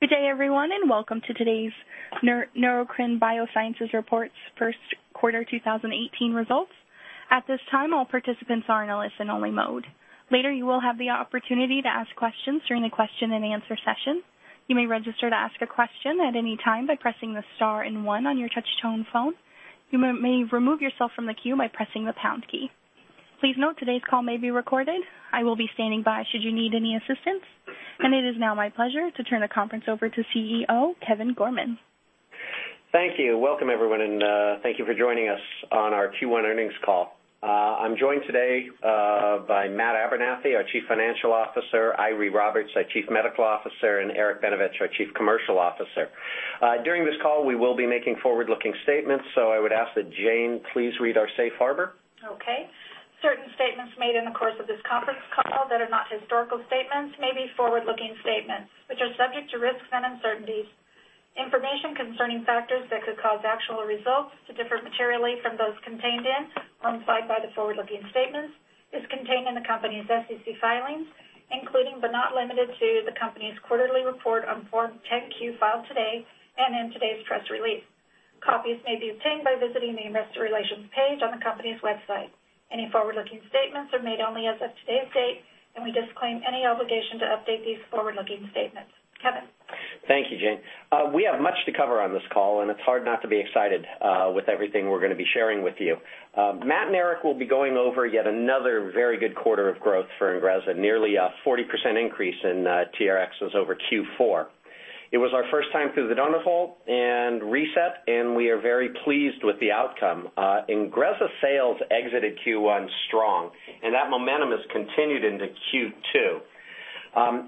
Good day, everyone, welcome to today's Neurocrine Biosciences reports first quarter 2018 results. At this time, all participants are in a listen-only mode. Later, you will have the opportunity to ask questions during the question and answer session. You may register to ask a question at any time by pressing the star 1 on your touch-tone phone. You may remove yourself from the queue by pressing the pound key. Please note, today's call may be recorded. I will be standing by should you need any assistance. It is now my pleasure to turn the conference over to CEO Kevin Gorman. Thank you. Welcome, everyone, thank you for joining us on our Q1 earnings call. I am joined today by Matthew Abernethy, our Chief Financial Officer, Eiry Roberts, our Chief Medical Officer, and Eric Benevich, our Chief Commercial Officer. During this call, we will be making forward-looking statements, I would ask that Jane please read our safe harbor. Okay. Certain statements made in the course of this conference call that are not historical statements may be forward-looking statements, which are subject to risks and uncertainties. Information concerning factors that could cause actual results to differ materially from those contained in or implied by the forward-looking statements is contained in the company's SEC filings, including, but not limited to, the company's quarterly report on Form 10-Q filed today, and in today's press release. Copies may be obtained by visiting the investor relations page on the company's website. Any forward-looking statements are made only as of today's date, we disclaim any obligation to update these forward-looking statements. Kevin? Thank you, Jane. We have much to cover on this call, it's hard not to be excited with everything we're going to be sharing with you. Matt and Eric will be going over yet another very good quarter of growth for INGREZZA. Nearly a 40% increase in TRX was over Q4. It was our first time through the donut hole and reset, and we are very pleased with the outcome. INGREZZA sales exited Q1 strong, that momentum has continued into Q2.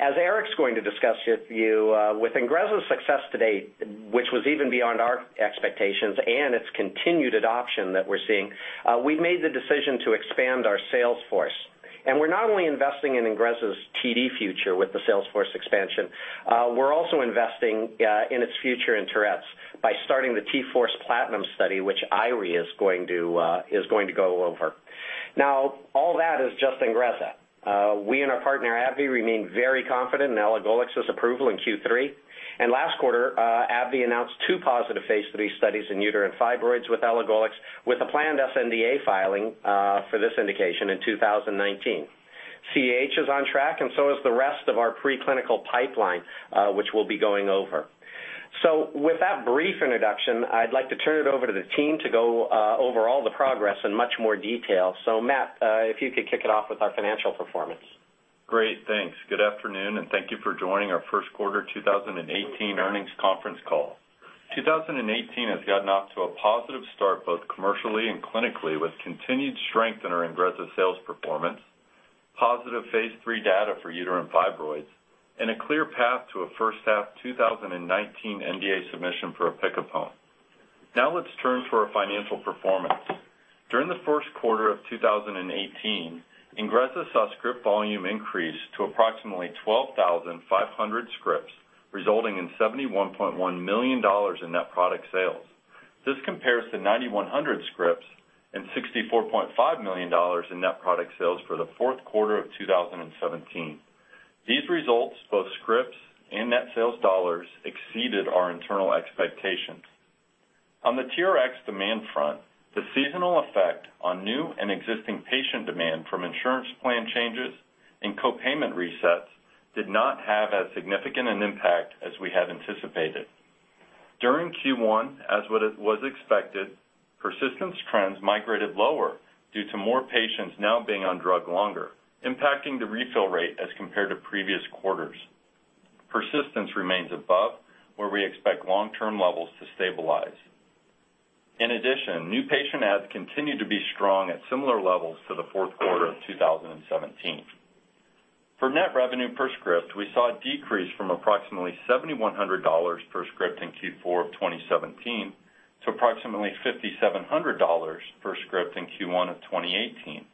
As Eric's going to discuss with you, with INGREZZA's success to date, which was even beyond our expectations, and its continued adoption that we're seeing, we've made the decision to expand our sales force. We are not only investing in INGREZZA's TD future with the sales force expansion, we are also investing in its future in Tourette's by starting the T-FORCE PLATINUM study, which Eiry is going to go over. All that is just INGREZZA. We and our partner, AbbVie, remain very confident in elagolix's approval in Q3. Last quarter, AbbVie announced 2 positive phase III studies in uterine fibroids with elagolix, with a planned sNDA filing for this indication in 2019. CAH is on track and so is the rest of our preclinical pipeline, which we will be going over. With that brief introduction, I would like to turn it over to the team to go over all the progress in much more detail. Matt, if you could kick it off with our financial performance. Great. Thanks. Good afternoon, and thank you for joining our first quarter 2018 earnings conference call. 2018 has gotten off to a positive start, both commercially and clinically, with continued strength in our INGREZZA sales performance, positive phase III data for uterine fibroids, and a clear path to a first half 2019 NDA submission for opicapone. Now let's turn to our financial performance. During the first quarter of 2018, INGREZZA's script volume increased to approximately 12,500 scripts, resulting in $71.1 million in net product sales. This compares to 9,100 scripts and $64.5 million in net product sales for the fourth quarter of 2017. These results, both scripts and net sales dollars, exceeded our internal expectations. On the TRX demand front, the seasonal effect on new and existing patient demand from insurance plan changes and co-payment resets did not have as significant an impact as we had anticipated. During Q1, as what it was expected, persistence trends migrated lower due to more patients now being on drug longer, impacting the refill rate as compared to previous quarters. Persistence remains above where we expect long-term levels to stabilize. In addition, new patient adds continued to be strong at similar levels to the fourth quarter of 2017. For net revenue per script, we saw a decrease from approximately $7,100 per script in Q4 of 2017 to approximately $5,700 per script in Q1 of 2018.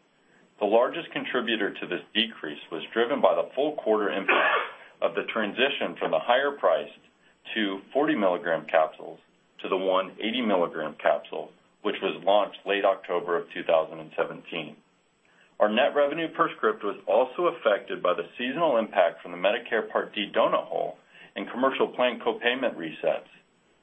The largest contributor to this decrease was driven by the full quarter impact of the transition from the higher priced 2 40 milligram capsules to the 1 80 milligram capsule, which was launched late October of 2017. Our net revenue per script was also affected by the seasonal impact from the Medicare Part D donut hole and commercial plan co-payment resets.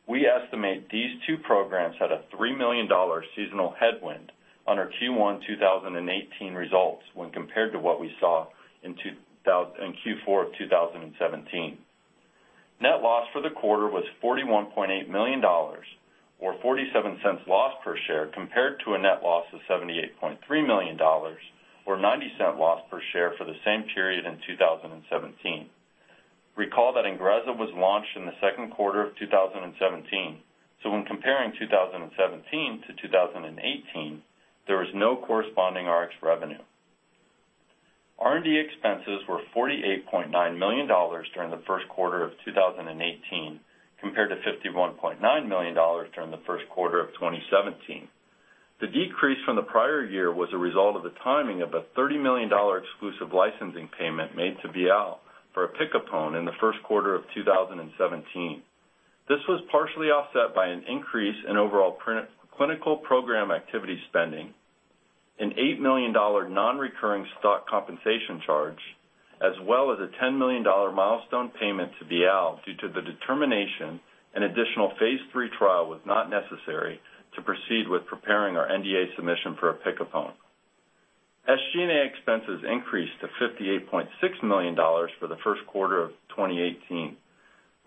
We estimate these 2 programs had a $3 million seasonal headwind on our Q1 2018 results when compared to what we saw in Q4 of 2017. Net loss for the quarter was $41.8 million, or $0.47 loss per share, compared to a net loss of $78.3 million, or $0.90 loss per share, for the same period in 2017. Recall that INGREZZA was launched in the second quarter of 2017, so when comparing 2017 to 2018, there was no corresponding Rx revenue. R&D expenses were $48.9 million during the first quarter of 2018, compared to $51.9 million during the first quarter of 2017. The decrease from the prior year was a result of the timing of a $30 million exclusive licensing payment made to Bial for opicapone in the first quarter of 2017. This was partially offset by an increase in overall clinical program activity spending. An $8 million non-recurring stock compensation charge, as well as a $10 million milestone payment to Bial due to the determination an additional phase III trial was not necessary to proceed with preparing our NDA submission for opicapone. SG&A expenses increased to $58.6 million for the first quarter of 2018,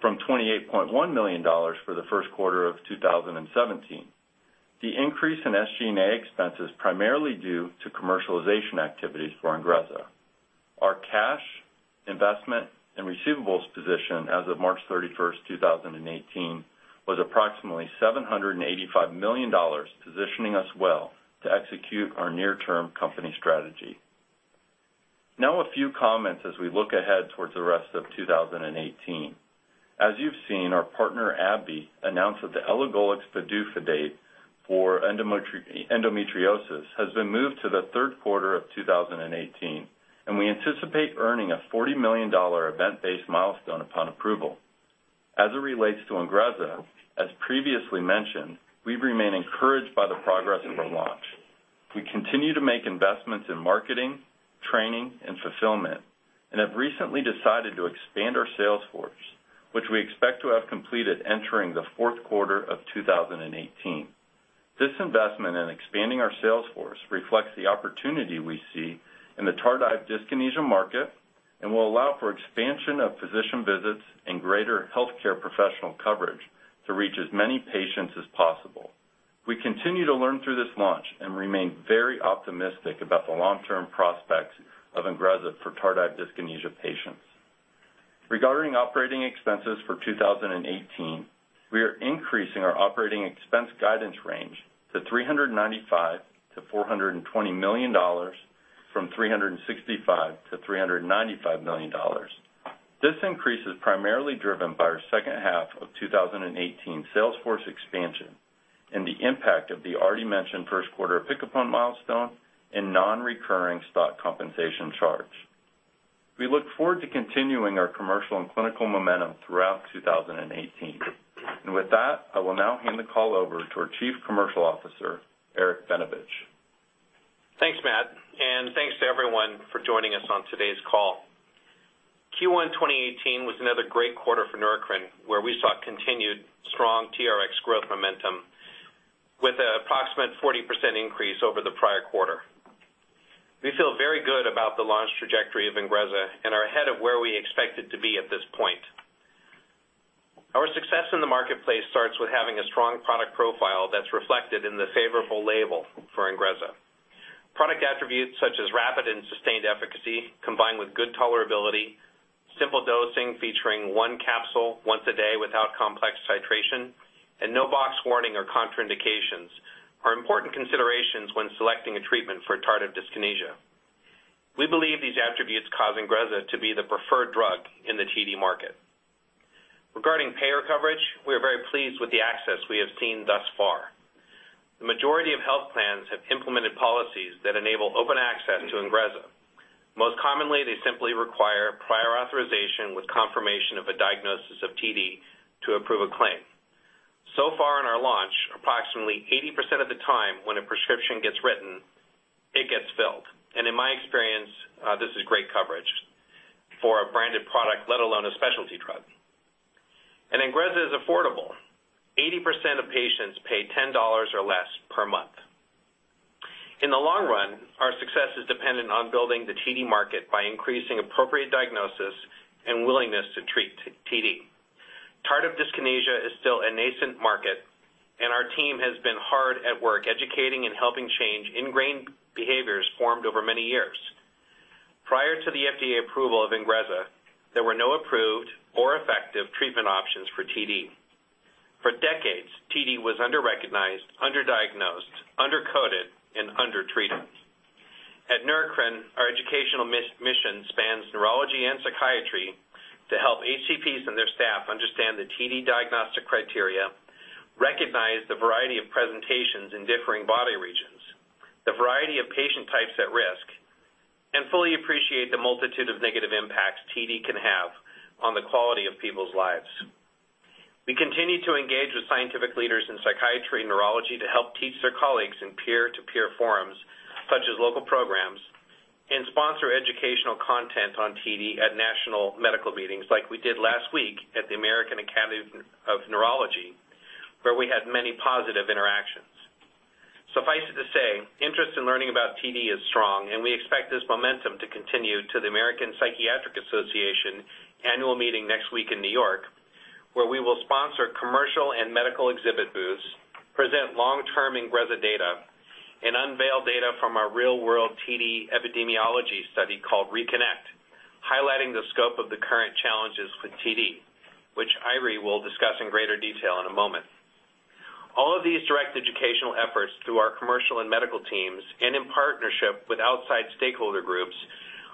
from $28.1 million for the first quarter of 2017. The increase in SG&A expenses primarily due to commercialization activities for INGREZZA. Our cash, investment, and receivables position as of March 31st, 2018, was approximately $785 million, positioning us well to execute our near-term company strategy. Now a few comments as we look ahead towards the rest of 2018. As you've seen, our partner, AbbVie, announced that the elagolix PDUFA date for endometriosis has been moved to the third quarter of 2018, and we anticipate earning a $40 million event-based milestone upon approval. As it relates to INGREZZA, as previously mentioned, we remain encouraged by the progress of the launch. We continue to make investments in marketing, training, and fulfillment, and have recently decided to expand our sales force, which we expect to have completed entering the fourth quarter of 2018. This investment in expanding our sales force reflects the opportunity we see in the tardive dyskinesia market and will allow for expansion of physician visits and greater healthcare professional coverage to reach as many patients as possible. We continue to learn through this launch and remain very optimistic about the long-term prospects of INGREZZA for tardive dyskinesia patients. Regarding operating expenses for 2018, we are increasing our operating expense guidance range to $395 million-$420 million from $365 million-$395 million. This increase is primarily driven by our second half of 2018 sales force expansion and the impact of the already mentioned first quarter opicapone milestone and non-recurring stock compensation charge. We look forward to continuing our commercial and clinical momentum throughout 2018. With that, I will now hand the call over to our Chief Commercial Officer, Eric Benevich. Thanks, Matt, and thanks to everyone for joining us on today's call. Q1 2018 was another great quarter for Neurocrine, where we saw continued strong TRX growth momentum with an approximate 40% increase over the prior quarter. We feel very good about the launch trajectory of INGREZZA and are ahead of where we expected to be at this point. Our success in the marketplace starts with having a strong product profile that's reflected in the favorable label for INGREZZA. Product attributes such as rapid and sustained efficacy, combined with good tolerability, simple dosing featuring one capsule once a day without complex titration, and no box warning or contraindications are important considerations when selecting a treatment for tardive dyskinesia. We believe these attributes cause INGREZZA to be the preferred drug in the TD market. Regarding payer coverage, we are very pleased with the access we have seen thus far. The majority of health plans have implemented policies that enable open access to INGREZZA. Most commonly, they simply require prior authorization with confirmation of a diagnosis of TD to approve a claim. Far in our launch, approximately 80% of the time when a prescription gets written, it gets filled. In my experience, this is great coverage for a branded product, let alone a specialty drug. INGREZZA is affordable. 80% of patients pay $10 or less per month. In the long run, our success is dependent on building the TD market by increasing appropriate diagnosis and willingness to treat TD. Tardive dyskinesia is still a nascent market, and our team has been hard at work educating and helping change ingrained behaviors formed over many years. Prior to the FDA approval of INGREZZA, there were no approved or effective treatment options for TD. For decades, TD was under-recognized, under-diagnosed, under-coded, and under-treated. At Neurocrine, our educational mission spans neurology and psychiatry to help HCPs and their staff understand the TD diagnostic criteria, recognize the variety of presentations in differing body regions, the variety of patient types at risk, and fully appreciate the multitude of negative impacts TD can have on the quality of people's lives. We continue to engage with scientific leaders in psychiatry and neurology to help teach their colleagues in peer-to-peer forums, such as local programs, and sponsor educational content on TD at national medical meetings like we did last week at the American Academy of Neurology, where we had many positive interactions. Suffice it to say, interest in learning about TD is strong. We expect this momentum to continue to the American Psychiatric Association annual meeting next week in New York, where we will sponsor commercial and medical exhibit booths, present long-term INGREZZA data, and unveil data from our real-world TD epidemiology study called RE-KINECT, highlighting the scope of the current challenges with TD, which Eiry will discuss in greater detail in a moment. All of these direct educational efforts through our commercial and medical teams and in partnership with outside stakeholder groups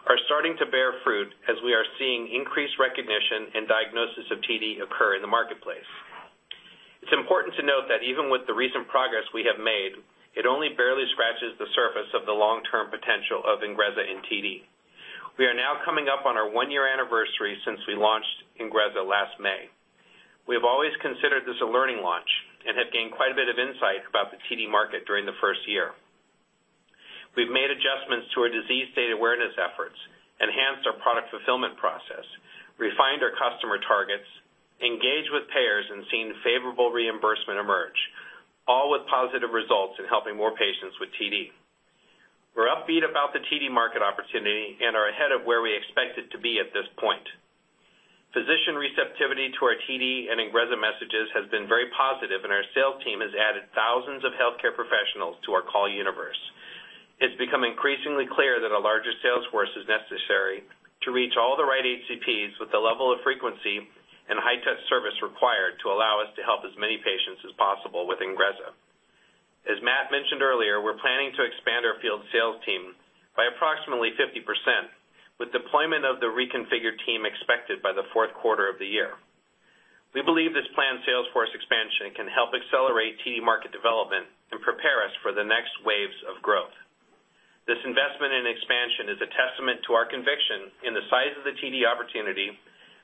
are starting to bear fruit as we are seeing increased recognition and diagnosis of TD occur in the marketplace. It's important to note that even with the recent progress we have made, it only barely scratches the surface of the long-term potential of INGREZZA in TD. We are now coming up on our one-year anniversary since we launched INGREZZA last May. We have always considered this a learning launch and have gained quite a bit of insight about the TD market during the first year. We've made adjustments to our disease state awareness efforts, enhanced our product fulfillment process, refined our customer targets, engaged with payers, seen favorable reimbursement emerge, all with positive results in helping more patients with TD. We're upbeat about the TD market opportunity and are ahead of where we expected to be at this point. Physician receptivity to our TD and INGREZZA messages has been very positive. Our sales team has added thousands of healthcare professionals to our call universe. It's become increasingly clear that a larger sales force is necessary to reach all the right HCPs with the level of frequency and high-touch service required to allow us to help as many patients as possible with INGREZZA. As Matt mentioned earlier, we're planning to expand our field sales team by approximately 50%, with deployment of the reconfigured team expected by the fourth quarter of the year. We believe this planned sales force expansion can help accelerate TD market development and prepare us for the next waves of growth. This investment in expansion is a testament to our conviction in the size of the TD opportunity,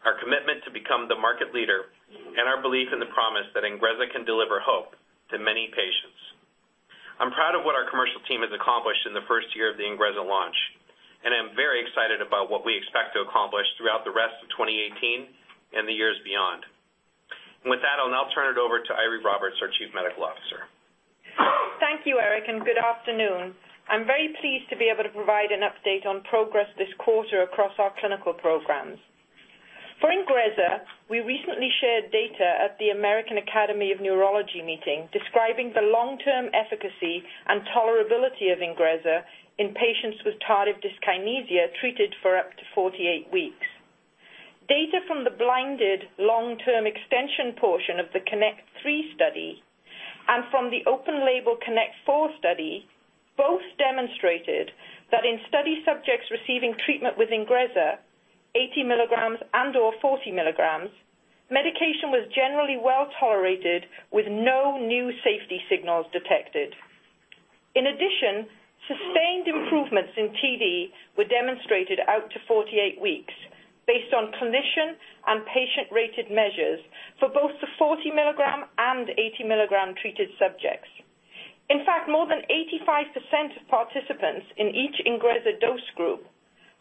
our commitment to become the market leader, and our belief in the promise that INGREZZA can deliver hope to many patients. I'm proud of what our commercial team has accomplished in the first year of the INGREZZA launch, and I'm very excited about what we expect to accomplish throughout the rest of 2018 and the years beyond. With that, I'll now turn it over to Eiry Roberts, our Chief Medical Officer. Thank you, Eric. Good afternoon. I'm very pleased to be able to provide an update on progress this quarter across our clinical programs. For INGREZZA, we recently shared data at the American Academy of Neurology meeting describing the long-term efficacy and tolerability of INGREZZA in patients with tardive dyskinesia treated for up to 48 weeks. Data from the blinded long-term extension portion of the KINECT-3 study and from the open-label KINECT-4 study both demonstrated that in study subjects receiving treatment with INGREZZA 80 milligrams and/or 40 milligrams, medication was generally well-tolerated with no new safety signals detected. In addition, sustained improvements in TD were demonstrated out to 48 weeks based on clinician and patient-rated measures for both the 40 milligram and 80 milligram treated subjects. In fact, more than 85% of participants in each INGREZZA dose group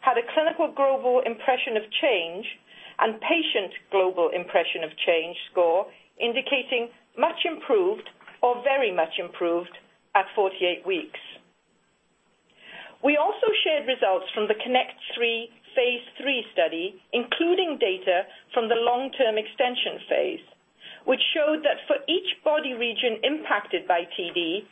had a Clinical Global Impression of Change and Patient Global Impression of Change score indicating much improved or very much improved at 48 weeks. We also shared results from the KINECT-3 phase III study, including data from the long-term extension phase, which showed that for each body region impacted by TD,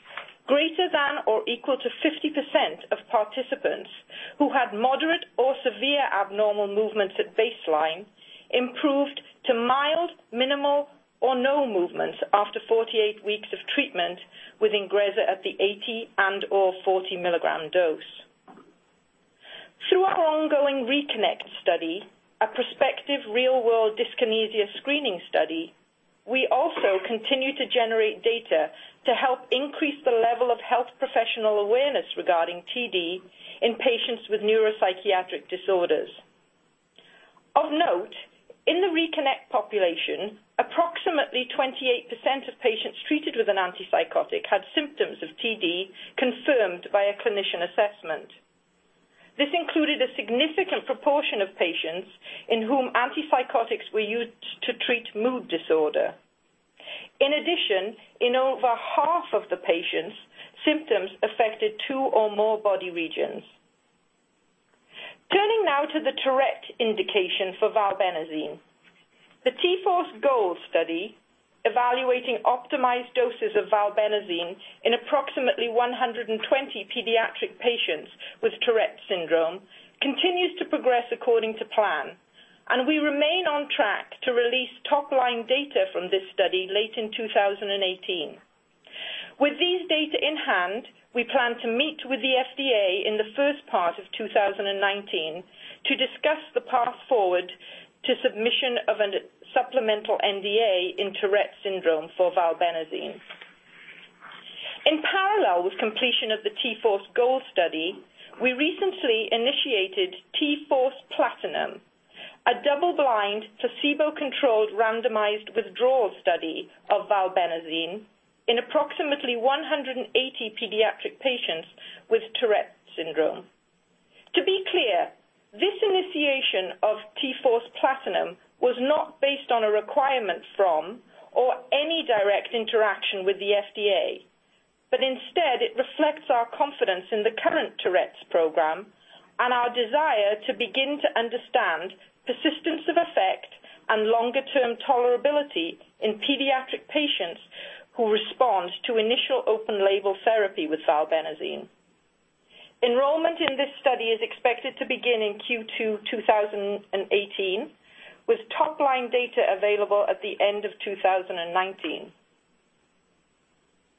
greater than or equal to 50% of participants who had moderate or severe abnormal movements at baseline improved to mild, minimal, or no movements after 48 weeks of treatment with INGREZZA at the 80 and/or 40 milligram dose. Through our ongoing RE-KINECT study, a prospective real-world dyskinesia screening study, we also continue to generate data to help increase the level of health professional awareness regarding TD in patients with neuropsychiatric disorders. Of note, in the RE-KINECT population, approximately 28% of patients treated with an antipsychotic had symptoms of TD confirmed by a clinician assessment. This included a significant proportion of patients in whom antipsychotics were used to treat mood disorder. In addition, in over half of the patients, symptoms affected two or more body regions. Turning now to the Tourette indication for valbenazine. The T-Force GOLD study evaluating optimized doses of valbenazine in approximately 120 pediatric patients with Tourette syndrome continues to progress according to plan, and we remain on track to release top-line data from this study late in 2018. With these data in hand, we plan to meet with the FDA in the first part of 2019 to discuss the path forward to submission of a supplemental NDA in Tourette syndrome for valbenazine. In parallel with completion of the T-Force GOLD study, we recently initiated T-FORCE PLATINUM, a double-blind, placebo-controlled, randomized withdrawal study of valbenazine in approximately 180 pediatric patients with Tourette syndrome. To be clear, this initiation of T-FORCE PLATINUM was not based on a requirement from or any direct interaction with the FDA, but instead, it reflects our confidence in the current Tourette's program and our desire to begin to understand persistence of effect and longer-term tolerability in pediatric patients who respond to initial open-label therapy with valbenazine. Enrollment in this study is expected to begin in Q2 2018, with top-line data available at the end of 2019.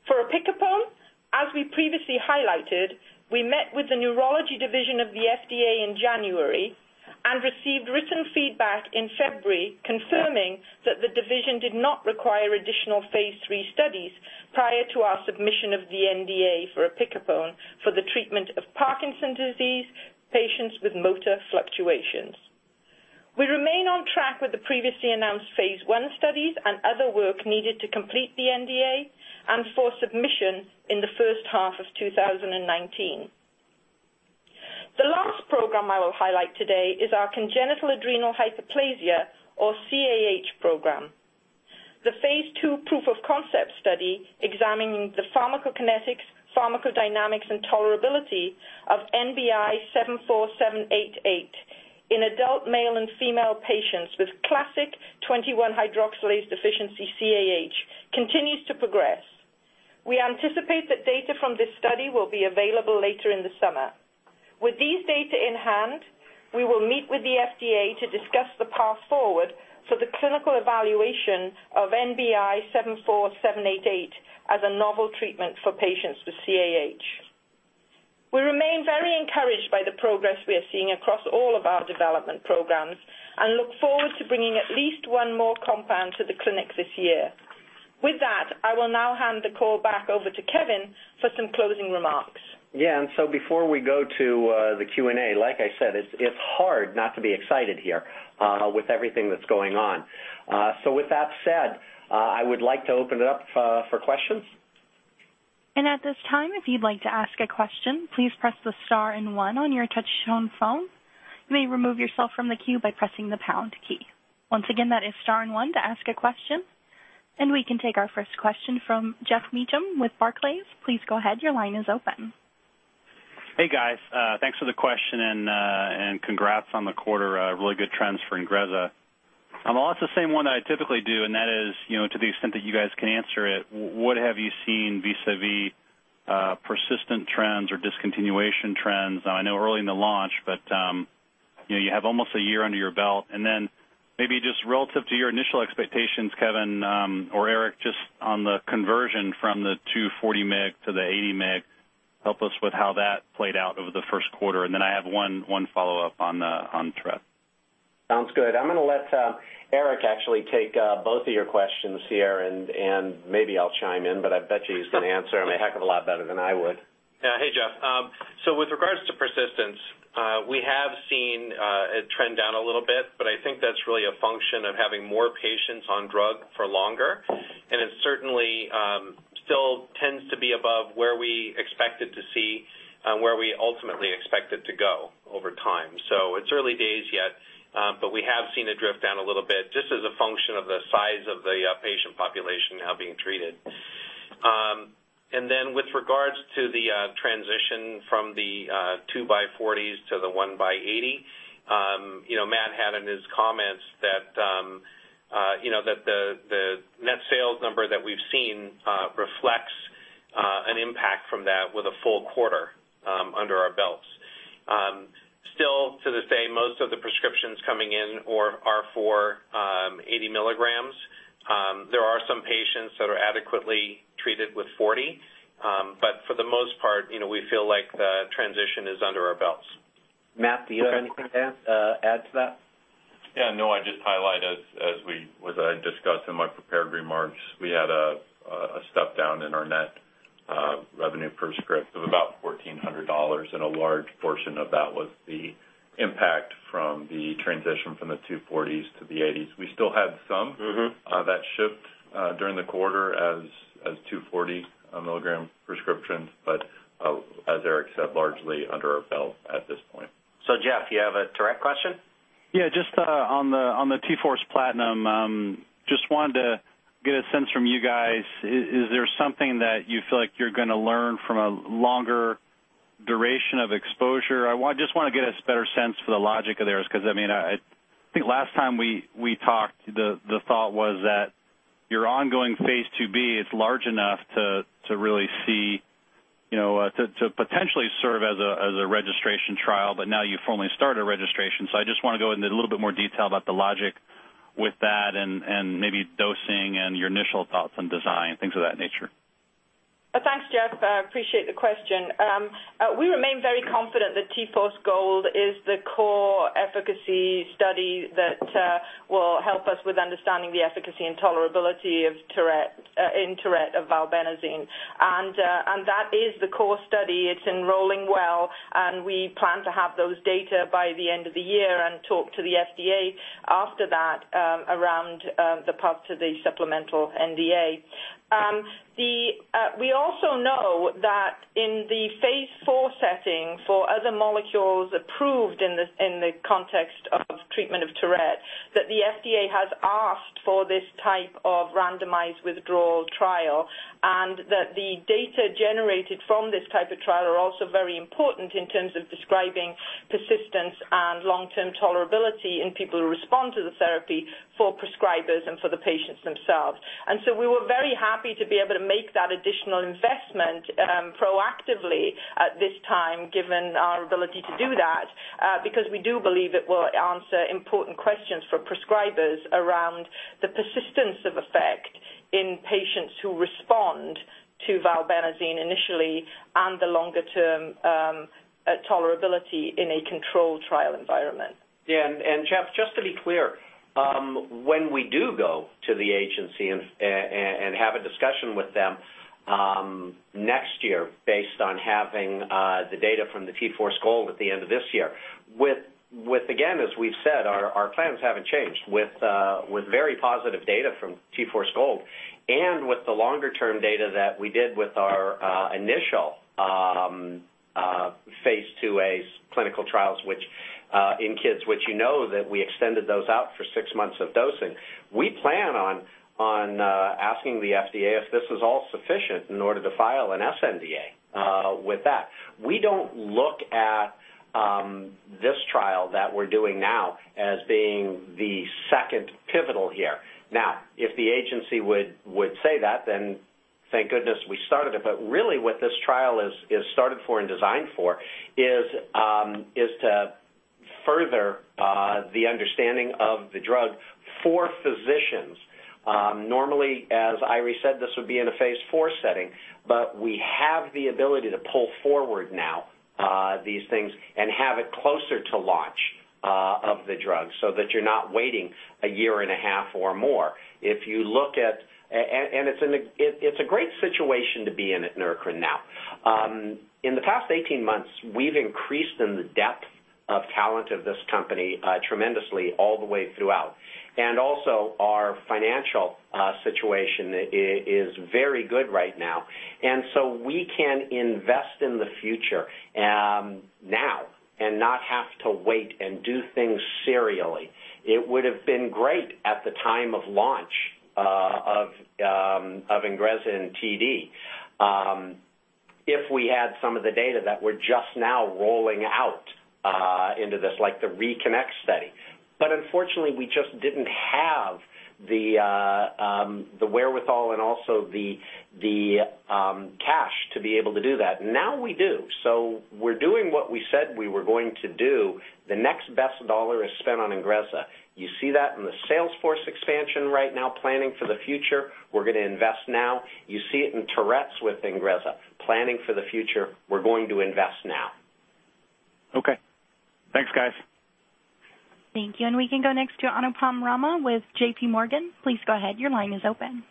For opicapone, as we previously highlighted, we met with the neurology division of the FDA in January and received written feedback in February confirming that the division did not require additional phase III studies prior to our submission of the NDA for opicapone for the treatment of Parkinson's disease patients with motor fluctuations. We remain on track with the previously announced phase I studies and other work needed to complete the NDA and for submission in the first half of 2019. The last program I will highlight today is our congenital adrenal hyperplasia, or CAH program. The phase II proof of concept study examining the pharmacokinetics, pharmacodynamics, and tolerability of NBI-74788 in adult male and female patients with classic 21-hydroxylase deficiency CAH continues to progress. We anticipate that data from this study will be available later in the summer. With these data in hand, we will meet with the FDA to discuss the path forward for the clinical evaluation of NBI-74788 as a novel treatment for patients with CAH. We remain very encouraged by the progress we are seeing across all of our development programs and look forward to bringing at least one more compound to the clinic this year. With that, I will now hand the call back over to Kevin for some closing remarks. Yeah. Before we go to the Q&A, like I said, it's hard not to be excited here with everything that's going on. With that said, I would like to open it up for questions. At this time, if you'd like to ask a question, please press the star and one on your touchtone phone. You may remove yourself from the queue by pressing the pound key. Once again, that is star and one to ask a question. We can take our first question from Geoffrey Meacham with Barclays. Please go ahead. Your line is open. Hey, guys. Thanks for the question and congrats on the quarter. Really good trends for INGREZZA. I'll ask the same one that I typically do, and that is, to the extent that you guys can answer it, what have you seen vis-a-vis persistent trends or discontinuation trends? Now, I know early in the launch, but you have almost a year under your belt. Maybe just relative to your initial expectations, Kevin or Eric, just on the conversion from the two 40 mg to the 80 mg, help us with how that played out over the first quarter. I have one follow-up on Tourette. Sounds good. I'm going to let Eric actually take both of your questions here, and maybe I'll chime in, but I bet you he's going to answer them a heck of a lot better than I would. Yeah. Hey, Jeff. With regards to persistence, we have seen it trend down a little bit, I think that's really a function of having more patients on drug for longer. It certainly still tends to be above where we expected to see and where we ultimately expect it to go over time. It's early days yet, but we have seen it drift down a little bit just as a function of the size of the patient population now being treated. With regards to the transition from the two by 40s to the one by 80, Matt had in his comments that the net sales number that we've seen reflects an impact from that with a full quarter under our belts. Still to this day, most of the prescriptions coming in are for 80 milligrams. There are some patients that are adequately treated with 40. For the most part, we feel like the transition is under our belts. Matt, do you have anything to add to that? I'd just highlight as I discussed in my prepared remarks, we had a step down in our net revenue per script of about $1,400. A large portion of that was the impact from the transition from the two 40s to the 80s. We still had some- that shipped during the quarter as 240 milligram prescriptions. As Eric said, largely under our belt at this point. Jeff, you have a Tourette question? Just on the T-FORCE PLATINUM, just wanted to get a sense from you guys. Is there something that you feel like you're going to learn from a longer duration of exposure? I just want to get a better sense for the logic of theirs, because I think last time we talked, the thought was that your ongoing phase II-B is large enough to potentially serve as a registration trial, now you've only started a registration. I just want to go into a little bit more detail about the logic with that and maybe dosing and your initial thoughts on design, things of that nature. Thanks, Geoffrey. Appreciate the question. We remain very confident that T-Force GOLD is the core efficacy study that will help us with understanding the efficacy and tolerability in Tourette of valbenazine. That is the core study. It's enrolling well, and we plan to have those data by the end of the year and talk to the FDA after that around the path to the supplemental NDA. We also know that in the phase IV setting for other molecules approved in the context of treatment of Tourette, that the FDA has asked for this type of randomized withdrawal trial, and that the data generated from this type of trial are also very important in terms of describing persistence and long-term tolerability in people who respond to the therapy for prescribers and for the patients themselves. We were very happy to be able to make that additional investment proactively at this time, given our ability to do that because we do believe it will answer important questions for prescribers around the persistence of effect in patients who respond to valbenazine initially and the longer-term tolerability in a controlled trial environment. Yeah. Geoffrey, just to be clear, when we do go to the agency and have a discussion with them Next year based on having the data from the T-Force GOLD at the end of this year. With again, as we've said, our plans haven't changed. With very positive data from T-Force GOLD and with the longer-term data that we did with our initial phase II-A clinical trials in kids, which you know that we extended those out for six months of dosing. We plan on asking the FDA if this is all sufficient in order to file an sNDA with that. We don't look at this trial that we're doing now as being the second pivotal here. Now, if the agency would say that, then thank goodness we started it. Really what this trial is started for and designed for is to further the understanding of the drug for physicians. Normally, as Eiry said, this would be in a phase IV setting, we have the ability to pull forward now these things and have it closer to launch of the drug, so that you're not waiting a year and a half or more. It's a great situation to be in at Neurocrine now. In the past 18 months, we've increased in the depth of talent of this company tremendously all the way throughout. Also our financial situation is very good right now. We can invest in the future now and not have to wait and do things serially. It would've been great at the time of launch of INGREZZA and TD if we had some of the data that we're just now rolling out into this, like the RE-KINECT study. Unfortunately, we just didn't have the wherewithal and also the cash to be able to do that. Now we do. We're doing what we said we were going to do. The next best dollar is spent on INGREZZA. You see that in the sales force expansion right now, planning for the future. We're going to invest now. You see it in Tourette's with INGREZZA. Planning for the future, we're going to invest now. Okay. Thanks, guys. Thank you. We can go next to Anupam Rama with JP Morgan. Please go ahead. Your line is open.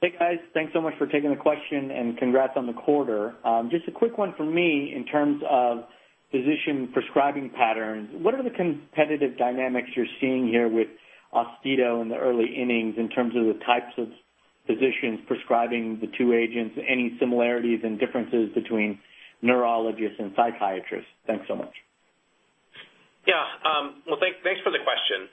Hey guys, thanks so much for taking the question, and congrats on the quarter. Just a quick one from me in terms of physician prescribing patterns. What are the competitive dynamics you're seeing here with AUSTEDO in the early innings in terms of the types of physicians prescribing the two agents? Any similarities and differences between neurologists and psychiatrists? Thanks so much. Yeah. Well, thanks for the question.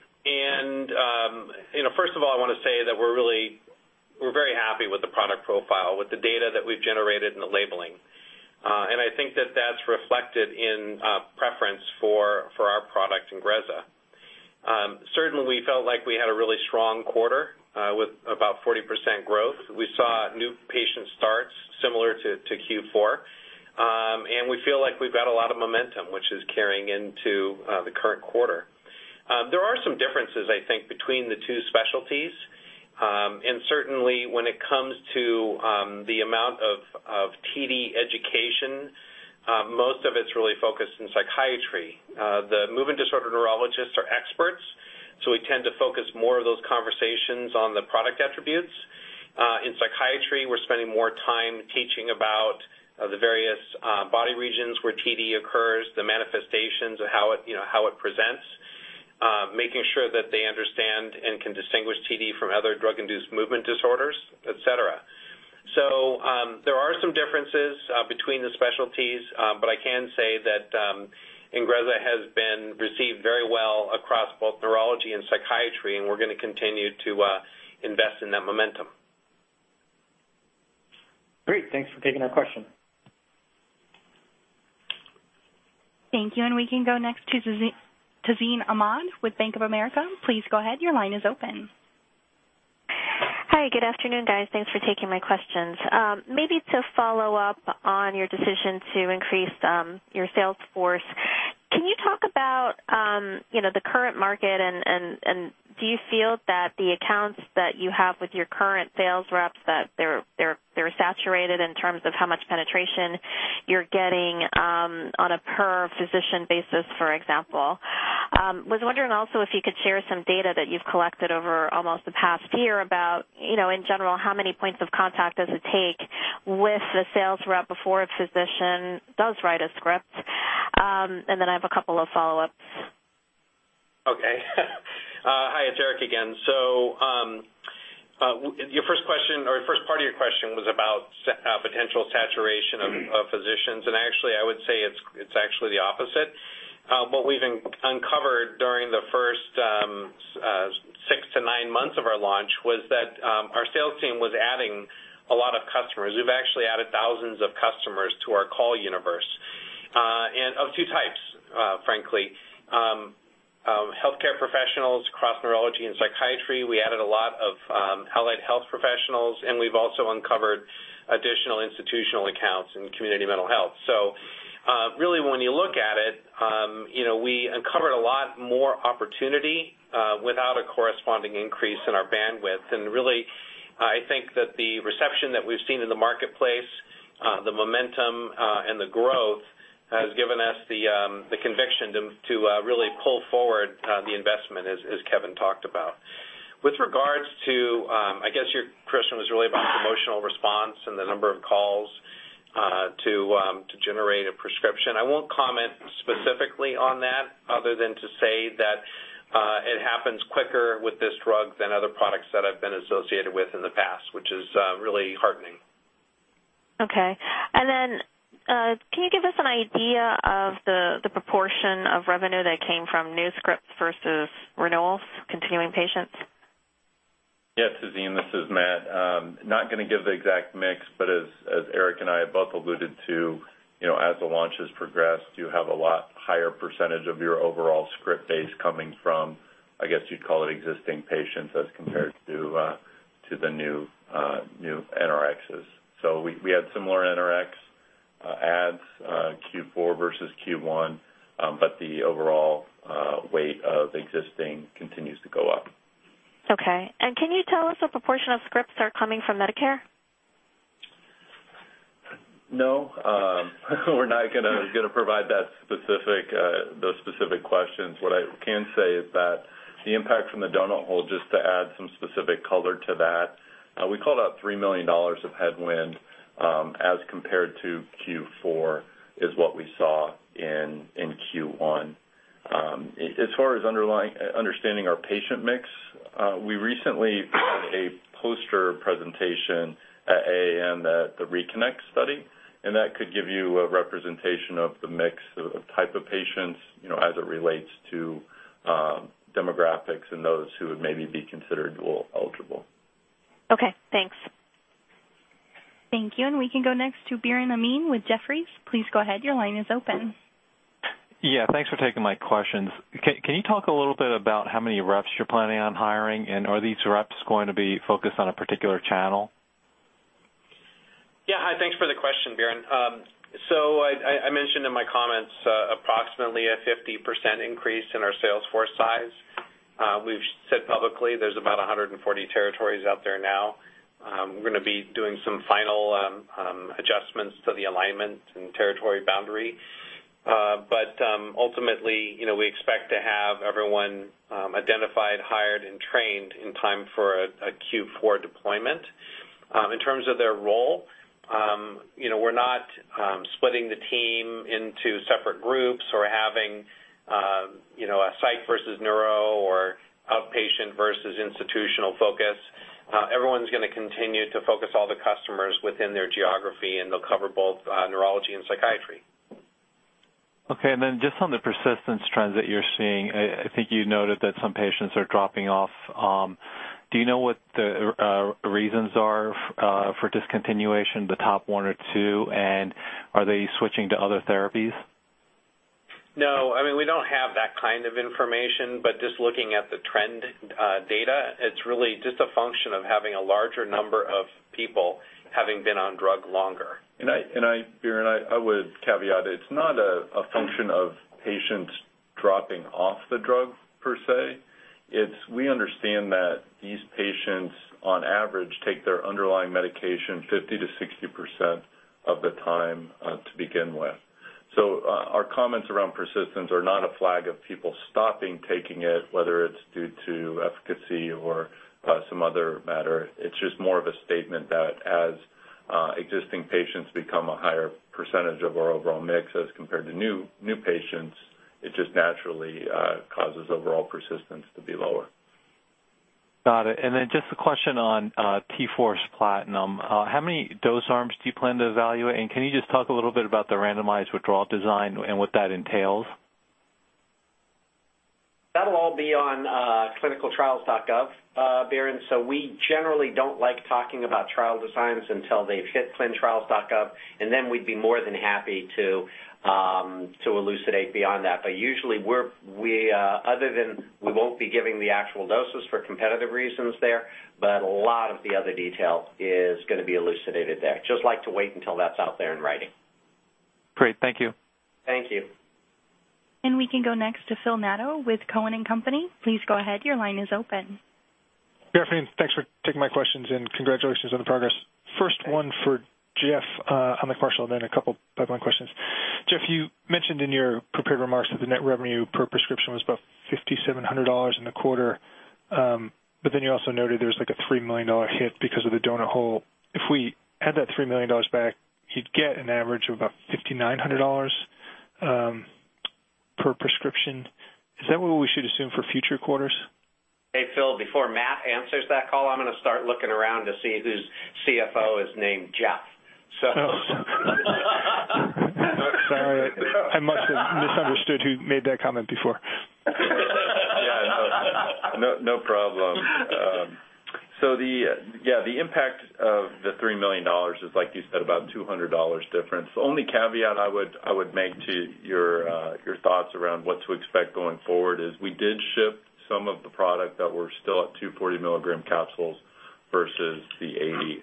First of all, I want to say that we're very happy with the product profile, with the data that we've generated and the labeling. I think that that's reflected in preference for our product, INGREZZA. Certainly, we felt like we had a really strong quarter with about 40% growth. We saw new patient starts similar to Q4. We feel like we've got a lot of momentum, which is carrying into the current quarter. There are some differences, I think, between the two specialties. Certainly when it comes to the amount of TD education, most of it's really focused in psychiatry. The movement disorder neurologists are experts, so we tend to focus more of those conversations on the product attributes. In psychiatry, we're spending more time teaching about the various body regions where TD occurs, the manifestations of how it presents, making sure that they understand and can distinguish TD from other drug-induced movement disorders, et cetera. There are some differences between the specialties but I can say that INGREZZA has been received very well across both neurology and psychiatry, and we're going to continue to invest in that momentum. Great. Thanks for taking that question. Thank you. We can go next to Tazeen Ahmad with Bank of America. Please go ahead. Your line is open. Hi, good afternoon, guys. Thanks for taking my questions. Maybe to follow up on your decision to increase your sales force, can you talk about the current market and do you feel that the accounts that you have with your current sales reps, that they're saturated in terms of how much penetration you're getting on a per physician basis, for example? Was wondering also if you could share some data that you've collected over almost the past year about, in general, how many points of contact does it take with the sales rep before a physician does write a script? Then I have a couple of follow-ups. Okay. Hi, it's Eric again. Your first question, or first part of your question was about potential saturation of physicians, and actually, I would say it's actually the opposite. What we've uncovered during the first 6 to 9 months of our launch was that our sales team was adding a lot of customers. We've actually added thousands of customers to our call universe. Of 2 types, frankly. Healthcare professionals across neurology and psychiatry. We added a lot of allied health professionals, and we've also uncovered additional institutional accounts in community mental health. Really when you look at it, we uncovered a lot more opportunity without a corresponding increase in our bandwidth. Really, I think that the reception that we've seen in the marketplace The momentum and the growth has given us the conviction to really pull forward the investment, as Kevin talked about. With regards to, I guess your question was really about promotional response and the number of calls to generate a prescription. I won't comment specifically on that other than to say that it happens quicker with this drug than other products that I've been associated with in the past, which is really heartening. Okay. Can you give us an idea of the proportion of revenue that came from new scripts versus renewals, continuing patients? Yeah, Tazeen, this is Matt. Not going to give the exact mix, but as Eric and I have both alluded to, as the launch has progressed, you have a lot higher percentage of your overall script base coming from, I guess you'd call it existing patients as compared to the new NRXs. We had similar NRX adds Q4 versus Q1, but the overall weight of existing continues to go up. Okay. Can you tell us what proportion of scripts are coming from Medicare? No, we're not going to provide those specific questions. What I can say is that the impact from the donut hole, just to add some specific color to that, we called out $3 million of headwind as compared to Q4 is what we saw in Q1. As far as understanding our patient mix, we recently had a poster presentation at AAN, the RE-KINECT study, and that could give you a representation of the mix of type of patients as it relates to demographics and those who would maybe be considered dual eligible. Okay, thanks. Thank you. We can go next to Biren Amin with Jefferies. Please go ahead. Your line is open. Yeah, thanks for taking my questions. Can you talk a little bit about how many reps you're planning on hiring, and are these reps going to be focused on a particular channel? Yeah. Hi. Thanks for the question, Biren. I mentioned in my comments approximately a 50% increase in our sales force size. We've said publicly there's about 140 territories out there now. We're going to be doing some final adjustments to the alignment and territory boundary. Ultimately, we expect to have everyone identified, hired, and trained in time for a Q4 deployment. In terms of their role, we're not splitting the team into separate groups or having a psych versus neuro or outpatient versus institutional focus. Everyone's going to continue to focus all the customers within their geography, and they'll cover both neurology and psychiatry. Okay, just on the persistence trends that you're seeing, I think you noted that some patients are dropping off. Do you know what the reasons are for discontinuation, the top one or two, and are they switching to other therapies? No, we don't have that kind of information, just looking at the trend data, it's really just a function of having a larger number of people having been on drug longer. Biren, I would caveat it. It's not a function of patients dropping off the drug per se. It's we understand that these patients on average take their underlying medication 50%-60% of the time to begin with. Our comments around persistence are not a flag of people stopping taking it, whether it's due to efficacy or some other matter. It's just more of a statement that as existing patients become a higher percentage of our overall mix as compared to new patients, it just naturally causes overall persistence to be lower. Got it. Just a question on T-FORCE PLATINUM. How many dose arms do you plan to evaluate, and can you just talk a little bit about the randomized withdrawal design and what that entails? That'll all be on ClinicalTrials.gov, Biren. We generally don't like talking about trial designs until they've hit clintrials.gov, and then we'd be more than happy to elucidate beyond that. Usually, we won't be giving the actual doses for competitive reasons there, but a lot of the other detail is going to be elucidated there. Just like to wait until that's out there in writing. Great. Thank you. Thank you. We can go next to Phil Nadeau with Cowen and Company. Please go ahead. Your line is open. Good afternoon. Thanks for taking my questions, and congratulations on the progress. First one for Matthew on the commercial, then a couple pipeline questions. Matthew, you mentioned in your prepared remarks that the net revenue per prescription was about $5,700 in the quarter. You also noted there was a $3 million hit because of the donut hole. If we add that $3 million back, you'd get an average of about $5,900 per prescription. Is that what we should assume for future quarters? Hey, Phil, before Matt answers that call, I'm going to start looking around to see whose CFO is named Matthew. Sorry. I must have misunderstood who made that comment before. Yeah. No problem. The impact of the $3 million is, like you said, about $200 difference. The only caveat I would make to your thoughts around what to expect going forward is we did ship some of the product that were still at 240 milligram capsules versus the 80.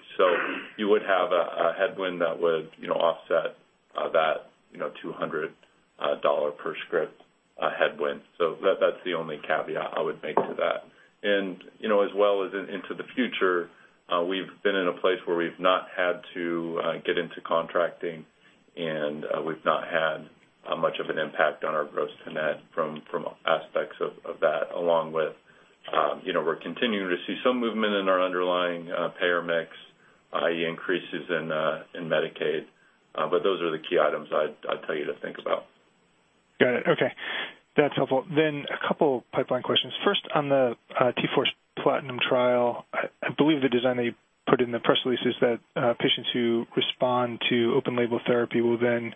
You would have a headwind that would offset that $200 per script headwind. That's the only caveat I would make to that. As well as into the future, we've been in a place where we've not had to get into contracting, and we've not had much of an impact on our gross to net from aspects of that, along with we're continuing to see some movement in our underlying payer mix, i.e. increases in Medicaid. Those are the key items I'd tell you to think about. Got it. Okay. That's helpful. A couple pipeline questions. First, on the T-FORCE PLATINUM trial, I believe the design that you put in the press release is that patients who respond to open label therapy will then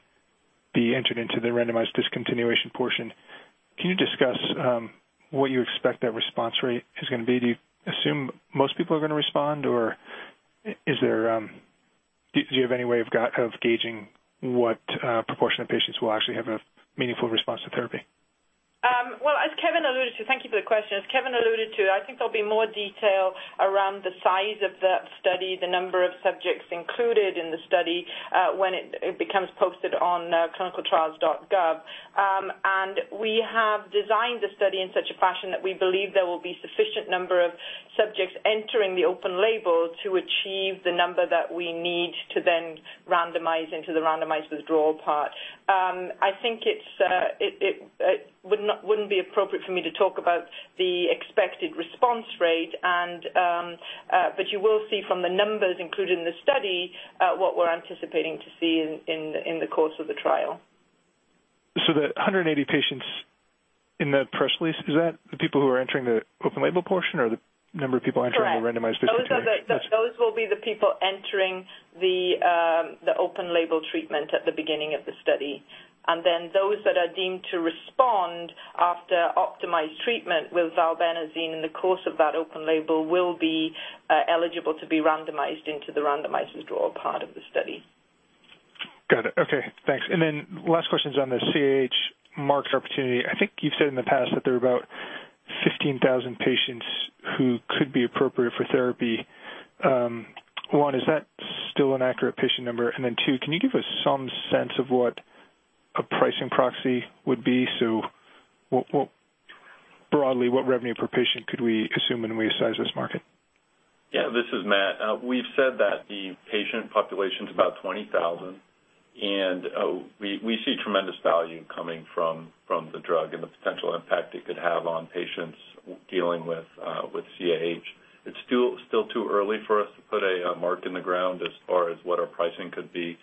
be entered into the randomized discontinuation portion. Can you discuss what you expect that response rate is going to be? Do you assume most people are going to respond, or do you have any way of gauging what proportion of patients will actually have a meaningful response to therapy? Well, as Kevin alluded to, thank you for the question. As Kevin alluded to, I think there'll be more detail around the size of the study, the number of subjects included in the study, when it becomes posted on ClinicalTrials.gov. We have designed the study in such a fashion that we believe there will be sufficient number of subjects entering the open label to achieve the number that we need to then randomize into the randomized withdrawal part. I think it wouldn't be appropriate for me to talk about the expected response rate, but you will see from the numbers included in the study, what we're anticipating to see in the course of the trial. The 180 patients in the press release, is that the people who are entering the open label portion or the number of people entering Correct the randomized portion? Those will be the people entering the open label treatment at the beginning of the study. Those that are deemed to respond after optimized treatment with valbenazine in the course of that open label will be eligible to be randomized into the randomized withdrawal part of the study. Got it. Okay, thanks. Last question's on the CAH market opportunity. I think you've said in the past that there are about 15,000 patients who could be appropriate for therapy. One, is that still an accurate patient number? Two, can you give us some sense of what a pricing proxy would be? Broadly, what revenue per patient could we assume when we size this market? Yeah, this is Matt. We've said that the patient population's about 20,000, we see tremendous value coming from the drug and the potential impact it could have on patients dealing with CAH. It's still too early for us to put a mark in the ground as far as what our pricing could be,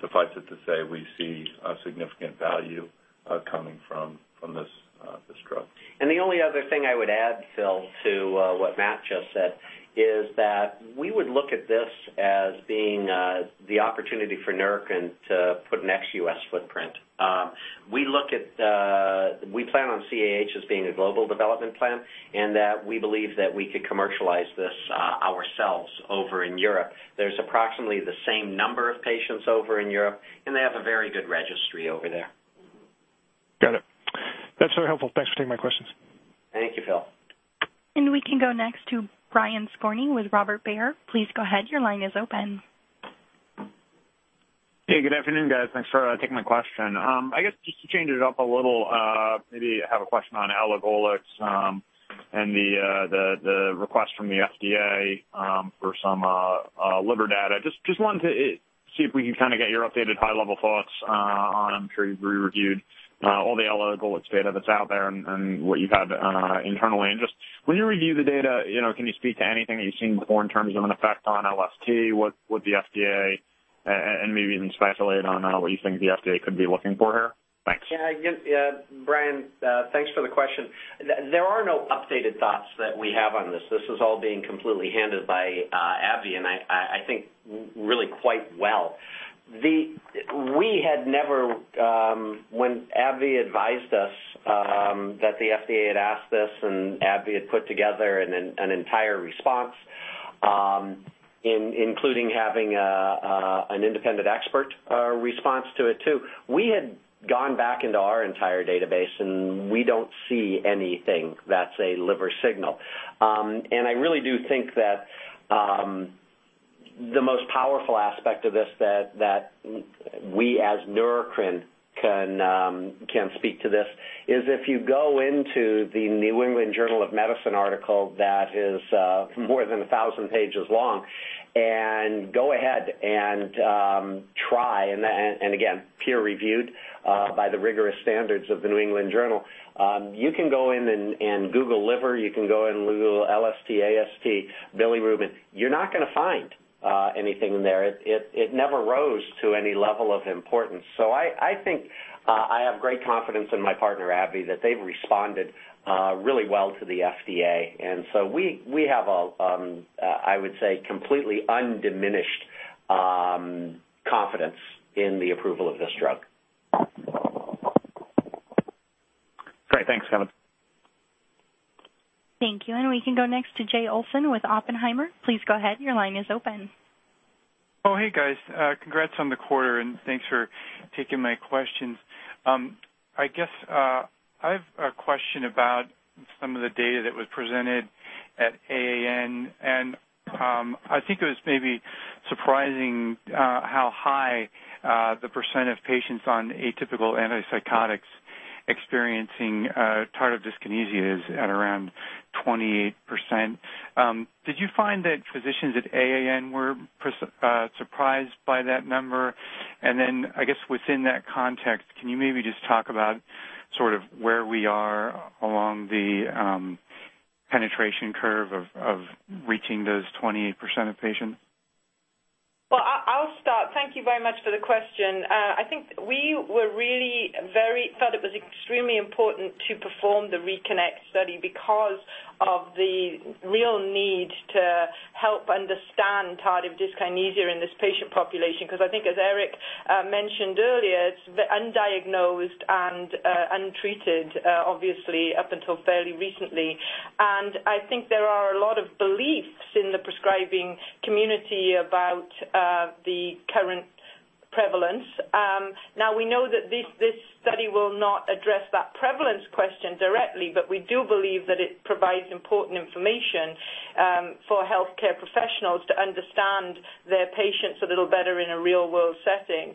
suffice it to say, we see a significant value coming from this drug. The only other thing I would add, Phil, to what Matt just said, is that we would look at this as being the opportunity for Neurocrine to put an ex-U.S. footprint. We plan on CAH as being a global development plan, and that we believe that we could commercialize this ourselves over in Europe. There's approximately the same number of patients over in Europe, they have a very good registry over there. Got it. That's very helpful. Thanks for taking my questions. Thank you, Phil. We can go next to Brian Skorney with Robert W. Baird. Please go ahead. Your line is open. Hey, good afternoon, guys. Thanks for taking my question. I guess just to change it up a little, maybe I have a question on elagolix, and the request from the FDA for some liver data. Just wanted to see if we can kind of get your updated high level thoughts on, I'm sure you've re-reviewed all the elagolix data that's out there and what you have internally. When you review the data, can you speak to anything that you've seen before in terms of an effect on LFTs with the FDA, and maybe even speculate on what you think the FDA could be looking for here? Thanks. Yeah. Brian, thanks for the question. There are no updated thoughts that we have on this. This is all being completely handled by AbbVie, and I think really quite well. When AbbVie advised us that the FDA had asked this, AbbVie had put together an entire response, including having an independent expert response to it too. We had gone back into our entire database, we don't see anything that's a liver signal. I really do think that the most powerful aspect of this that we, as Neurocrine, can speak to this is if you go into The New England Journal of Medicine article that is more than 1,000 pages long, go ahead and try and again, peer-reviewed by the rigorous standards of The New England Journal. You can go in and Google liver, you can go and Google LFT, AST, bilirubin. You're not going to find anything in there. It never rose to any level of importance. I think I have great confidence in my partner, AbbVie, that they've responded really well to the FDA. We have a, I would say, completely undiminished confidence in the approval of this drug. Great. Thanks, Kevin. Thank you. We can go next to Jay Olson with Oppenheimer. Please go ahead. Your line is open. Oh, hey, guys. Congrats on the quarter, thanks for taking my questions. I guess, I have a question about some of the data that was presented at AAN, and I think it was maybe surprising how high the % of patients on atypical antipsychotics experiencing tardive dyskinesia is at around 28%. Did you find that physicians at AAN were surprised by that number? Then, I guess within that context, can you maybe just talk about sort of where we are along the penetration curve of reaching those 28% of patients? Well, I'll start. Thank you very much for the question. I think we really thought it was extremely important to perform the RE-KINECT study because of the real need to help understand tardive dyskinesia in this patient population, because I think as Eric mentioned earlier, it's undiagnosed and untreated, obviously, up until fairly recently. I think there are a lot of beliefs in the prescribing community about the current prevalence. We know that this study will not address that prevalence question directly, but we do believe that it provides important information for healthcare professionals to understand their patients a little better in a real-world setting.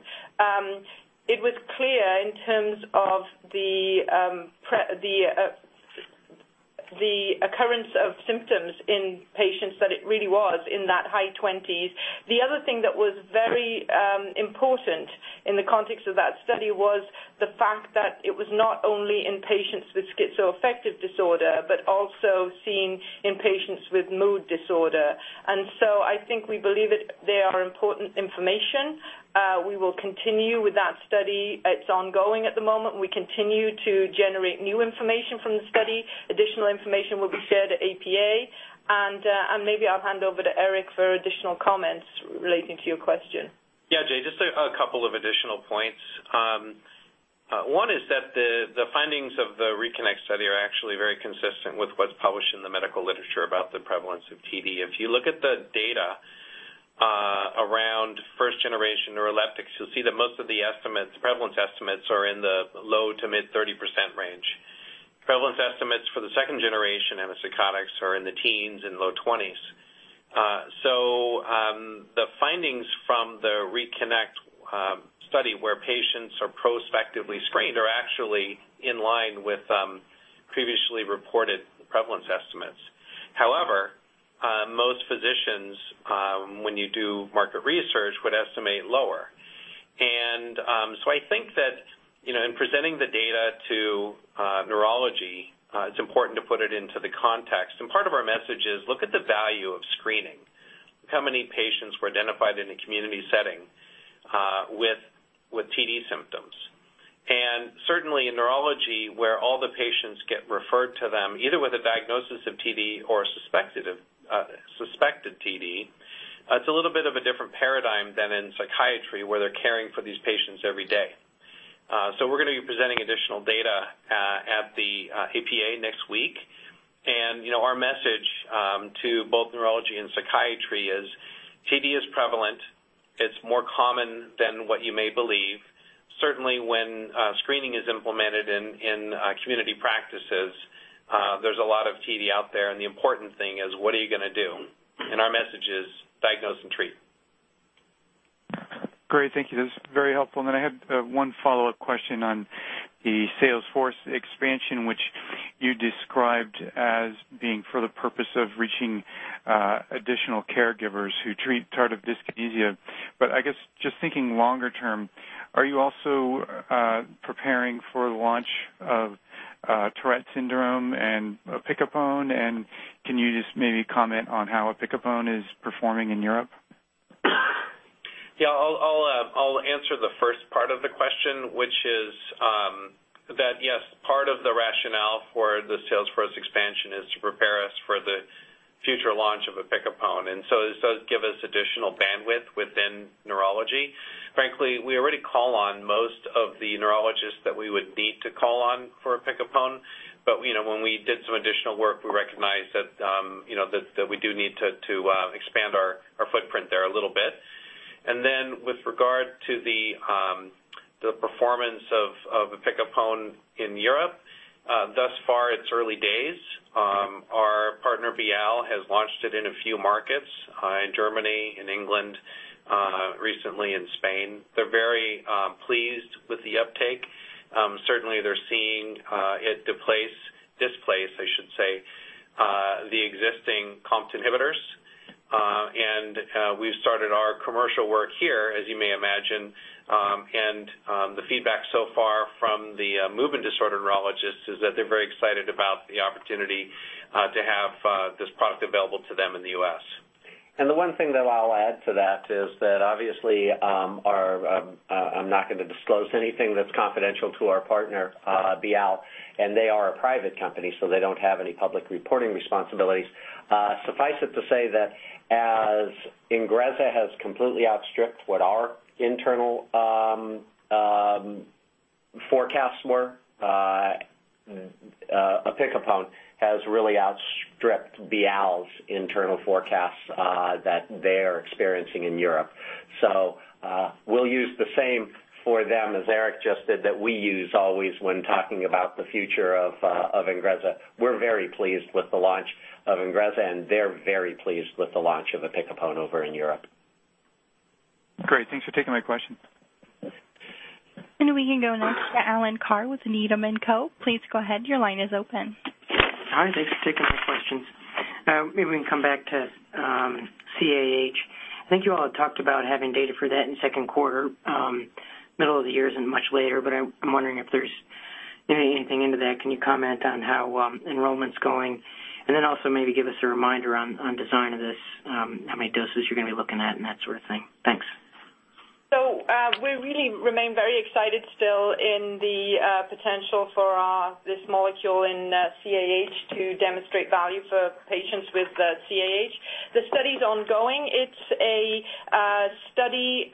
It was clear in terms of the occurrence of symptoms in patients that it really was in that high 20s. The other thing that was very important in the context of that study was the fact that it was not only in patients with schizoaffective disorder, but also seen in patients with mood disorder. I think we believe they are important information. We will continue with that study. It's ongoing at the moment. We continue to generate new information from the study. Additional information will be shared at APA, and maybe I'll hand over to Eric for additional comments relating to your question. Jay, just a couple of additional points. One is that the findings of the RE-KINECT study are actually very consistent with what's published in the medical literature about the prevalence of TD. If you look at the data around first-generation neuroleptics, you'll see that most of the prevalence estimates are in the low to mid 30% range. Prevalence estimates for the second generation antipsychotics are in the teens and low 20s. The findings from the RE-KINECT study where patients are prospectively screened are actually in line with previously reported prevalence estimates. However, most physicians, when you do market research, would estimate lower. I think that in presenting the data to neurology, it's important to put it into the context. Part of our message is, look at the value of screening. Look how many patients were identified in a community setting with TD symptoms. Certainly in neurology, where all the patients get referred to them, either with a diagnosis of TD or suspected TD, it's a little bit of a different paradigm than in psychiatry, where they're caring for these patients every day. We're going to be presenting additional data at the APA next week. Our message to both neurology and psychiatry is TD is prevalent. It's more common than what you may believe. Certainly, when screening is implemented in community practices, there's a lot of TD out there, and the important thing is what are you going to do? Our message is diagnose and treat. Great. Thank you. That's very helpful. I had one follow-up question on the sales force expansion, which you described as being for the purpose of reaching additional caregivers who treat tardive dyskinesia. I guess just thinking longer term, are you also preparing for the launch of Tourette syndrome and opicapone? Can you just maybe comment on how opicapone is performing in Europe? Yeah, I'll answer the first part of the question, which is that yes, part of the rationale for the sales force expansion is to prepare us for the future launch of opicapone. It does give us additional bandwidth within neurology. Frankly, we already call on most of the neurologists that we would need to call on for opicapone, but when we did some additional work, we recognized that we do need to expand our footprint there a little bit. With regard to the performance of opicapone in Europe, thus far, it's early days. Our partner, Bial, has launched it in a few markets, in Germany, in England, recently in Spain. They're very pleased with the uptake. Certainly, they're seeing it displace, I should say, the existing COMT inhibitors. We've started our commercial work here, as you may imagine. The feedback so far from the movement disorder neurologists is that they're very excited about the opportunity to have this product available to them in the U.S. The one thing that I'll add to that is that obviously, I'm not going to disclose anything that's confidential to our partner, Bial, and they are a private company, so they don't have any public reporting responsibilities. Suffice it to say that as INGREZZA has completely outstripped what our internal forecasts were, opicapone has really outstripped Bial's internal forecasts that they are experiencing in Europe. We'll use the same for them as Eric just did that we use always when talking about the future of INGREZZA. We're very pleased with the launch of INGREZZA, and they're very pleased with the launch of opicapone over in Europe. Great. Thanks for taking my question. We can go next to Alan Carr with Needham & Company. Please go ahead. Your line is open. Hi, thanks for taking my questions. Maybe we can come back to CAH. I think you all had talked about having data for that in second quarter, middle of the year isn't much later. I'm wondering if there's anything into that. Can you comment on how enrollment's going? Also maybe give us a reminder on design of this, how many doses you're going to be looking at and that sort of thing. Thanks. We really remain very excited still in the potential for this molecule in CAH to demonstrate value for patients with CAH. The study's ongoing. It's a study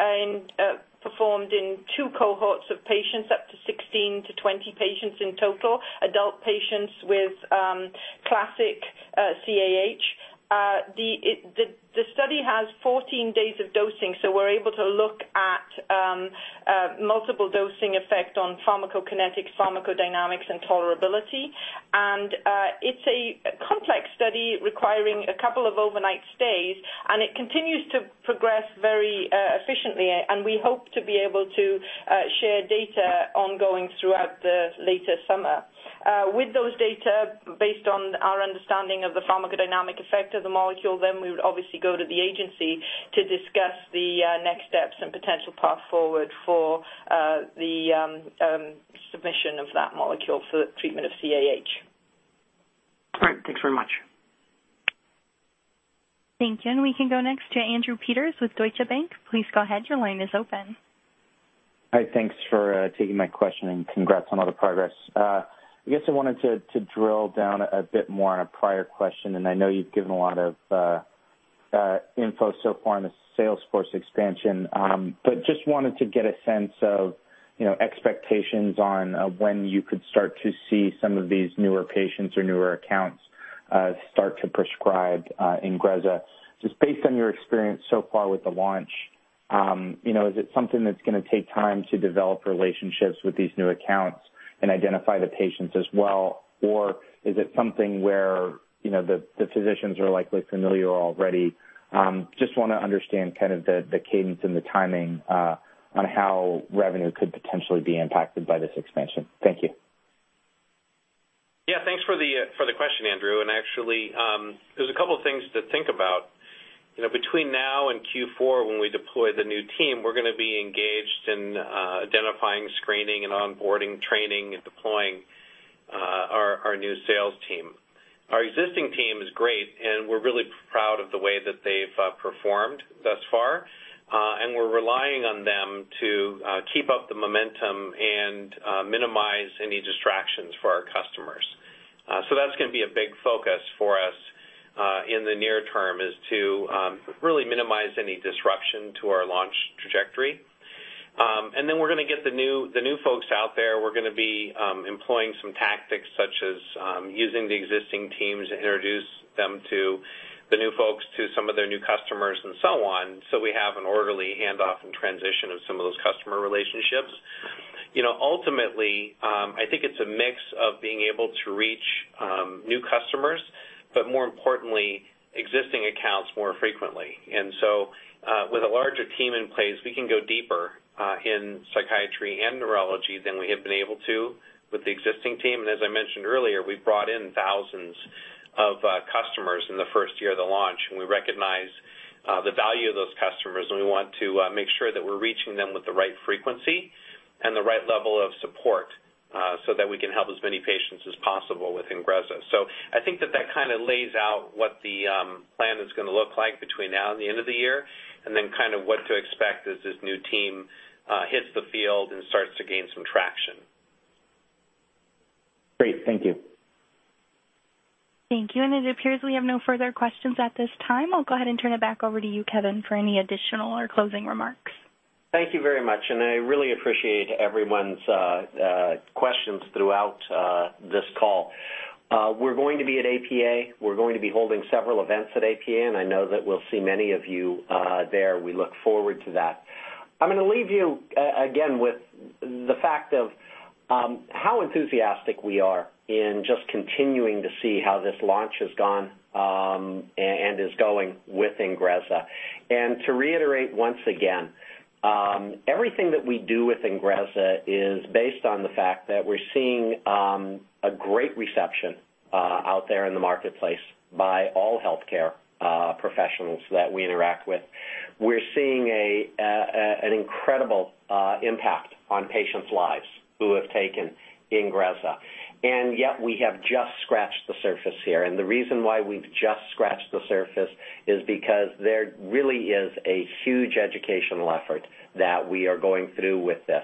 performed in two cohorts of patients, up to 16 to 20 patients in total, adult patients with classic CAH. The study has 14 days of dosing. We're able to look at multiple dosing effect on pharmacokinetics, pharmacodynamics, and tolerability. It's a complex study requiring a couple of overnight stays, and it continues to progress very efficiently, and we hope to be able to share data ongoing throughout the later summer. With those data, based on our understanding of the pharmacodynamic effect of the molecule, we would obviously go to the agency to discuss the next steps and potential path forward for the submission of that molecule for the treatment of CAH. All right. Thanks very much. Thank you. We can go next to Andrew Peters with Deutsche Bank. Please go ahead. Your line is open. Hi. Thanks for taking my question, congrats on all the progress. I guess I wanted to drill down a bit more on a prior question, I know you've given a lot of info so far on the sales force expansion. Just wanted to get a sense of expectations on when you could start to see some of these newer patients or newer accounts start to prescribe INGREZZA. Just based on your experience so far with the launch, is it something that's going to take time to develop relationships with these new accounts and identify the patients as well? Is it something where the physicians are likely familiar already? Just want to understand the cadence and the timing on how revenue could potentially be impacted by this expansion. Thank you. Yeah, thanks for the question, Andrew. Actually, there's a couple of things to think about. Between now and Q4 when we deploy the new team, we're going to be engaged in identifying, screening, and onboarding, training, and deploying our new sales team. Our existing team is great, and we're really proud of the way that they've performed thus far. We're relying on them to keep up the momentum and minimize any distractions for our customers. That's going to be a big focus for us in the near term, is to really minimize any disruption to our launch trajectory. Then we're going to get the new folks out there. We're going to be employing some tactics such as using the existing teams to introduce them to the new folks, to some of their new customers and so on, so we have an orderly handoff and transition of some of those customer relationships. Ultimately, I think it's a mix of being able to reach new customers, but more importantly, existing accounts more frequently. So with a larger team in place, we can go deeper in psychiatry and neurology than we have been able to with the existing team. As I mentioned earlier, we've brought in thousands of customers in the first year of the launch, and we recognize the value of those customers, and we want to make sure that we're reaching them with the right frequency and the right level of support, so that we can help as many patients as possible with INGREZZA. I think that that kind of lays out what the plan is going to look like between now and the end of the year, and then what to expect as this new team hits the field and starts to gain some traction. Great. Thank you. Thank you. It appears we have no further questions at this time. I'll go ahead and turn it back over to you, Kevin, for any additional or closing remarks. Thank you very much. I really appreciate everyone's questions throughout this call. We're going to be at APA. We're going to be holding several events at APA, and I know that we'll see many of you there. We look forward to that. I'm going to leave you again with the fact of how enthusiastic we are in just continuing to see how this launch has gone and is going with INGREZZA. To reiterate once again, everything that we do with INGREZZA is based on the fact that we're seeing a great reception out there in the marketplace by all HCPs that we interact with. We're seeing an incredible impact on patients' lives who have taken INGREZZA. Yet we have just scratched the surface here. The reason why we've just scratched the surface is because there really is a huge educational effort that we are going through with this.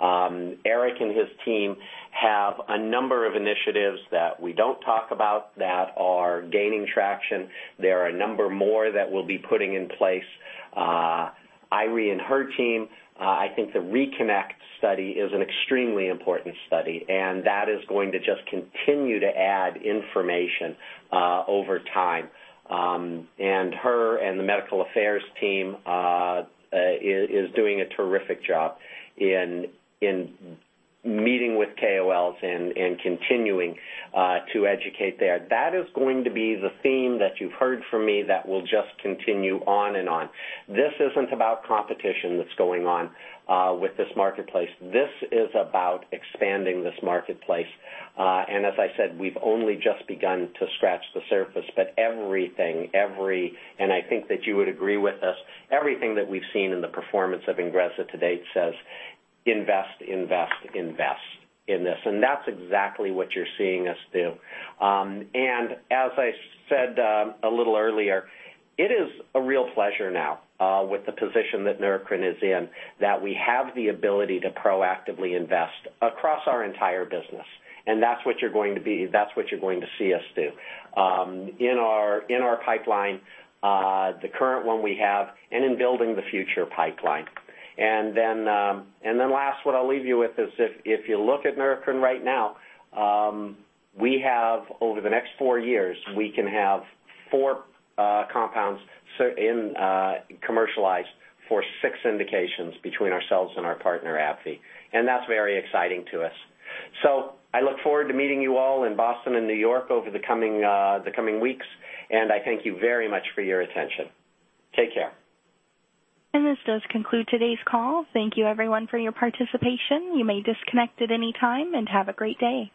Eric and his team have a number of initiatives that we don't talk about that are gaining traction. There are a number more that we'll be putting in place. Eiry and her team, I think the RE-KINECT study is an extremely important study, and that is going to just continue to add information over time. Her and the medical affairs team is doing a terrific job in meeting with KOLs and continuing to educate there. That is going to be the theme that you've heard from me that will just continue on and on. This isn't about competition that's going on with this marketplace. This is about expanding this marketplace. As I said, we've only just begun to scratch the surface, but everything, and I think that you would agree with us, everything that we've seen in the performance of INGREZZA to date says invest, invest in this. That's exactly what you're seeing us do. As I said a little earlier, it is a real pleasure now with the position that Neurocrine Biosciences is in, that we have the ability to proactively invest across our entire business. That's what you're going to see us do in our pipeline, the current one we have, and in building the future pipeline. Last, what I'll leave you with is if you look at Neurocrine Biosciences right now, we have over the next four years, we can have four compounds commercialized for six indications between ourselves and our partner, AbbVie Inc. That's very exciting to us. I look forward to meeting you all in Boston and New York over the coming weeks, and I thank you very much for your attention. Take care. This does conclude today's call. Thank you everyone for your participation. You may disconnect at any time, and have a great day.